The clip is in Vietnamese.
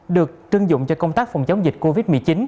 được trưng dụng cho công tác phòng chống dịch covid một mươi chín